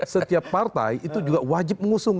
setiap partai itu juga wajib mengusung